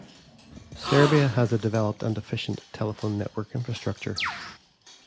Serbia has a developed and efficient telephone network infrastructure.